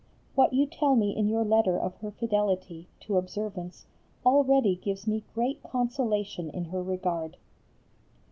What you tell me in your letter of her fidelity to observance already gives me great consolation in her regard.